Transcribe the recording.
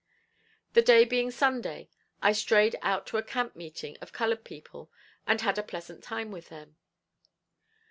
The day being Sunday I strayed out to a camp meeting of colored people and had a pleasant time with them.